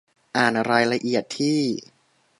อ่านรายละเอียดที่